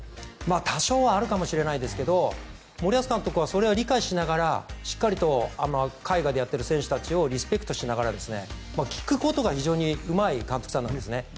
多少はあるかもしれないですけど森保監督はそれは理解しながらしっかりと海外でやっている選手たちをリスペクトしながら聞くことが非常にうまい監督さんなんですよね。